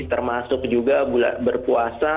termasuk juga berpuasa